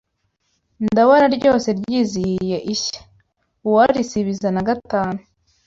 Ndabona ryose ryizihiye ishya Uwarisibiza na gatanu